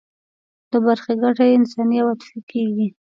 د برخې ګټه یې انساني او عاطفي کېږي.